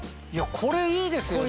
これいいですよ。